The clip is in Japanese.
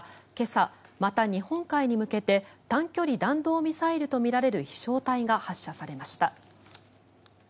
今朝、また日本海に向けて短距離弾道ミサイルとみられる飛翔体が発射されました。